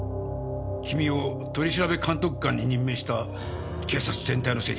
君を取調監督官に任命した警察全体の責任だ。